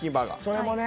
それもね。